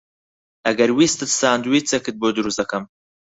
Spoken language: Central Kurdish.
ئەگەر ویستت ساندویچێکت بۆ دروست دەکەم.